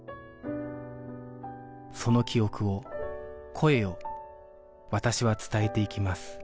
その記憶を声を私は伝えていきます